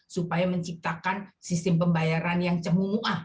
supaya menciptakan sistem pembayaran yang cemumuah